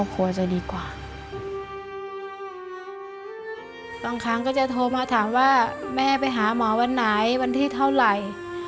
บางครั้งก็จะโทรมาถามว่าแม่ไปหาหมอวันไหนวันที่เท่าไหร่